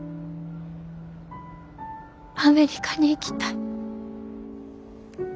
アメリカに行きたい。